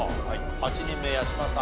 ８人目八嶋さん